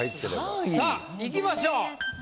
・さぁいきましょう。